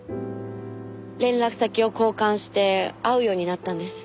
連絡先を交換して会うようになったんです。